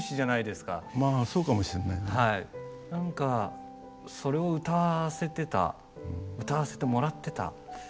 何かそれを歌わせてた歌わせてもらってた。